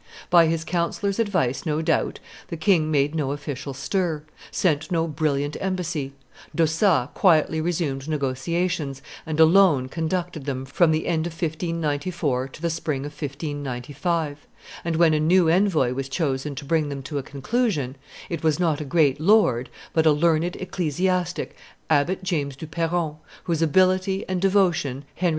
By his councillor's advice, no doubt, the king made no official stir, sent no brilliant embassy; D'Ossat quietly resumed negotiations, and alone conducted them from the end of 1594 to the spring of 1595; and when a new envoy was chosen to bring them to a conclusion, it was not a great lord, but a learned ecclesiastic, Abbot James du Perron, whose ability and devotion Henry IV.